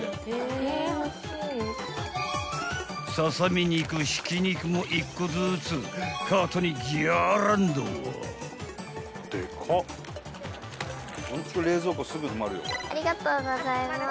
［ささみ肉ひき肉も１個ずつカートにギャーランド］ありがとうございます。